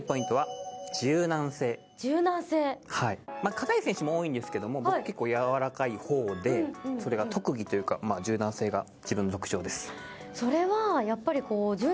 硬い選手も多いんですけども僕、結構やわらかいほうでそれが特技というか柔軟性が自分の特徴です。